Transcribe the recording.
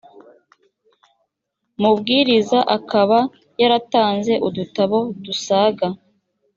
mubwiriza akaba yaratanze udutabo dusaga